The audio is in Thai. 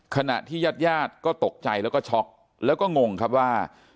ขณะที่ญาติญาติก็ตกใจแล้วก็ช็อกแล้วก็งงครับว่า